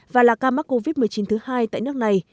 và là ca mắc covid một mươi chín thứ hai tại nước này